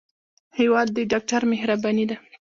هېواد د ډاکټر مهرباني ده.